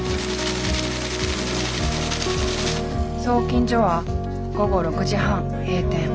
送金所は午後６時半閉店。